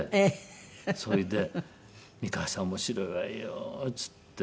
それで「美川さん面白いわよ」っつって。